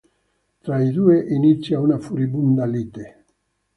Tra i due inizia una furibonda lite.